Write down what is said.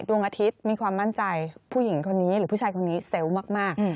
ดวงอาทิตย์มีความมั่นใจผู้หญิงคนนี้หรือผู้ชายคนนี้เซลล์มาก